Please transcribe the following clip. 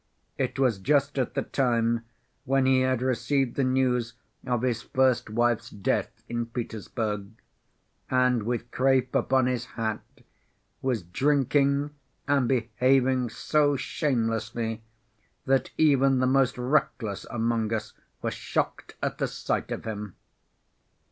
It was just at the time when he had received the news of his first wife's death in Petersburg, and, with crape upon his hat, was drinking and behaving so shamelessly that even the most reckless among us were shocked at the sight of him.